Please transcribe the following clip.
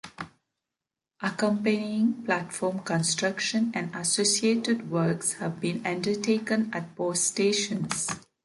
Accompanying platform construction and associated works have been undertaken at both stations.